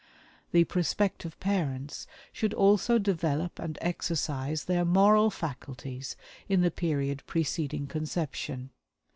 The prospective parents should also develop and exercise their moral faculties in the period preceding conception.